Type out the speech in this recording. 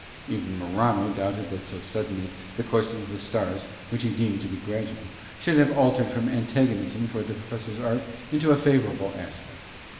Even Morano doubted that so suddenly the courses of the stars, which he deemed to be gradual, should have altered from antagonism towards the Professor's art into a favourable aspect.